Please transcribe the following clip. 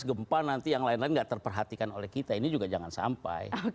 jangan lupa nanti yang lain lain gak terperhatikan oleh kita ini juga jangan sampai